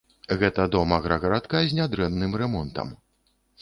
Гэта дом аграгарадка з нядрэнным рамонтам.